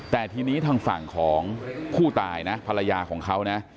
แต่ทีนี้ทางฝั่งของผู้ตายนะภรรยาของเขานะ